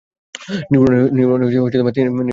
নিউরনের তিনটি অংশ আছে।